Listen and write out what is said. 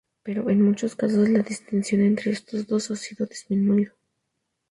Pero, en muchos casos, la distinción entre estos dos ha disminuido.